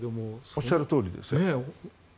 おっしゃるとおりです。